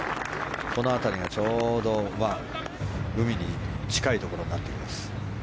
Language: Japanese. この辺りがちょうど海に近いところになっています。